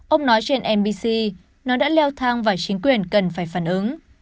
ông nói trên nbc nó đã leo thang và chính quyền cần phải phản ứng